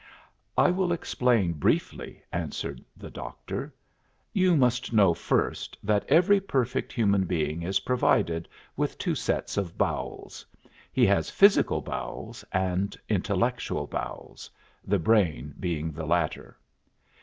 "I will explain briefly," answered the doctor. "You must know first that every perfect human being is provided with two sets of bowels; he has physical bowels and intellectual bowels, the brain being the latter.